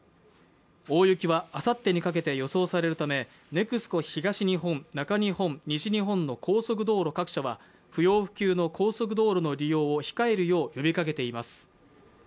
大雪はあさってにかけて予想されるためＮＥＸＣＯ東日本・中日本・西日本の高速道路各社も不要不急の高速道路の利用を控えるよう呼びかけています。